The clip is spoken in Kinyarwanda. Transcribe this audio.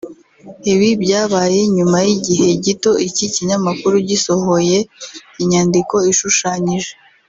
Ibi byabaye nyuma y’igihe gito iki kinyamakuru gisohoye inyandiko ishushanyije